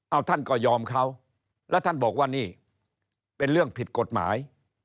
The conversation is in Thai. เอาท่านก็ยอมเขาแล้วท่านบอกว่านี่เป็นเรื่องผิดกฎหมาย